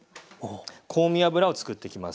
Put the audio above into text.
香味油をつくっていきます。